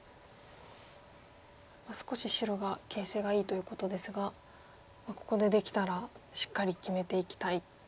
少し白が形勢がいいということですがここでできたらしっかり決めていきたいとこでも。